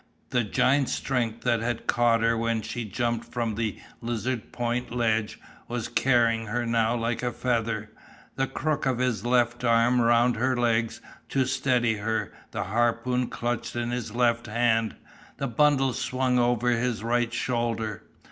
The giant strength that had caught her when she jumped from the Lizard Point ledge was carrying her now like a feather, the crook of his left arm round her legs to steady her, the harpoon clutched in his left hand, the bundle swung over his right shoulder.